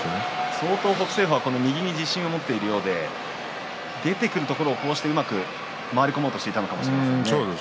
相当、北青鵬は右に自信を持っているようで出てくるところを回り込もうとしていたのかもしれません。